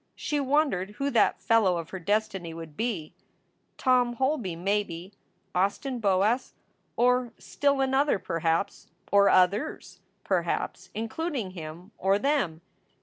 She wondered who that fellow of her destiny would be Tom Holby, maybe Austin Boas, or still another perhaps; SOULS FOR SALE 405 or others, perhaps, including him! or them!